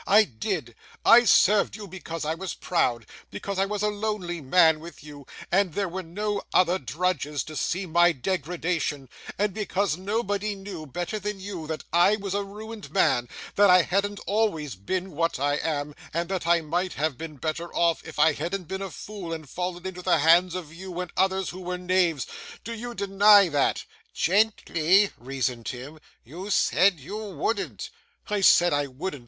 I did. I served you because I was proud; because I was a lonely man with you, and there were no other drudges to see my degradation; and because nobody knew, better than you, that I was a ruined man: that I hadn't always been what I am: and that I might have been better off, if I hadn't been a fool and fallen into the hands of you and others who were knaves. Do you deny that?' 'Gently,' reasoned Tim; 'you said you wouldn't.' 'I said I wouldn't!